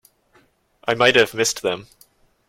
I might have missed them.